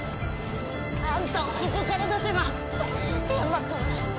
あんたをここから出せばヤンマくんも！